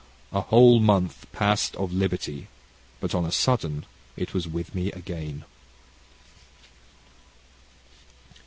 A whole month passed of liberty, but on a sudden, it was with me again."